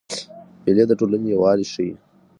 مېلې د ټولني یووالی ښيي.